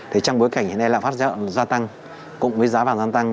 thì trong bối cảnh hiện nay lạm pháp gia tăng cùng với giá vàng gia tăng